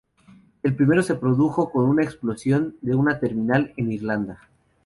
El primero se produjo con una explosión de un terminal en Irlanda.